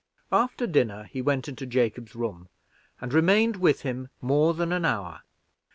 After dinner, he went into Jacob's room, and remained with him more than an hour.